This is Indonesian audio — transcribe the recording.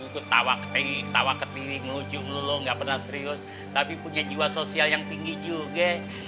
ketawa ketawa ketiwi ngelucu ngeluluh nggak pernah serius tapi punya jiwa sosial yang tinggi juga